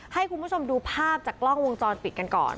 ให้คุณผู้ชมดูภาพจากกล้องวงจรปิดกันก่อน